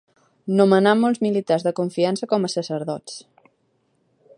Nomenà molts militars de confiança com a sacerdots.